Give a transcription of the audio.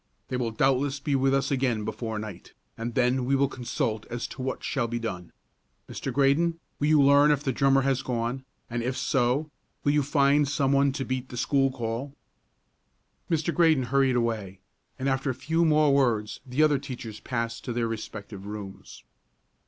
They will doubtless be with us again before night, and then we will consult as to what shall be done. Mr. Graydon, will you learn if the drummer has gone, and if so, will you find some one to beat the school call?" Mr. Graydon hurried away, and, after a few more words, the other teachers passed to their respective rooms.